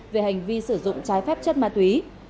về hành vi sử dụng trái phép chất ma túy